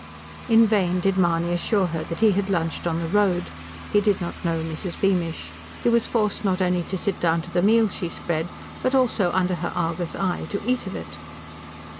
In vain did Mahony assure her that he had lunched on the road. He did not know Mrs. Beamish. He was forced not only to sit down to the meal she spread, but also, under her argus eye, to eat of it.